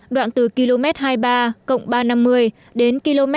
đoạn từ km hai mươi ba ba trăm năm mươi đến km hai mươi ba bốn trăm năm mươi